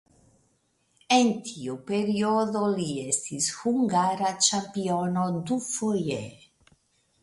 En tiu periodo li estis hungara ĉampiono dufoje.